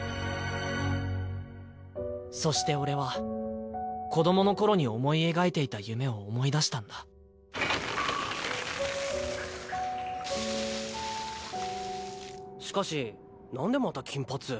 そして俺は子どもの頃に思い描いていた夢を思い出したんだしかしなんでまた金髪？